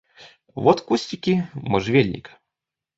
Вот кустики можжевельника.